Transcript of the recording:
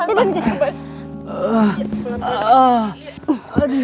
tidur cil tidur